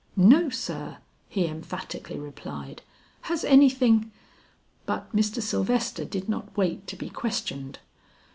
"No, sir," he emphatically replied, "has anything " But Mr. Sylvester did not wait to be questioned.